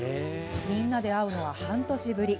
みんなで会うのは半年ぶり。